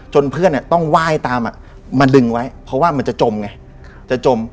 เพื่อนต้องไหว้ตามมาดึงไว้เพราะว่ามันจะจมไงจะจม